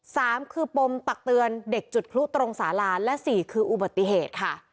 สามคือปมตักเตือนเด็กจุดพลุตรงสาราและสี่คืออุบัติเหตุค่ะ